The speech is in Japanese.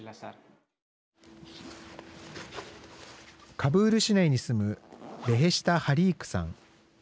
カブール市内に住むベヘシタ・ハリークさん。